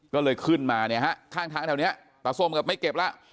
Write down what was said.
ก็เลยขึ้นมาเนี่ยฮะข้างทางแถวนี้ตาส้มกับไม่เก็บแล้ว